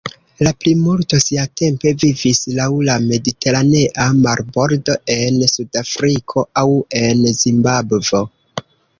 La plimulto siatempe vivis laŭ la mediteranea marbordo, en Sudafriko, aŭ en Zimbabvo.